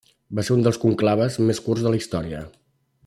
Va ser un dels conclaves més curts de la història.